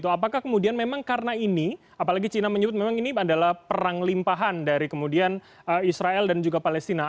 apakah kemudian memang karena ini apalagi china menyebut memang ini adalah perang limpahan dari kemudian israel dan juga palestina